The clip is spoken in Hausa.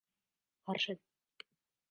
Na haɗu da ita a Boston a satin da ya wuce.